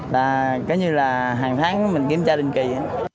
là cái như là hàng tháng mình kiểm tra đình kỳ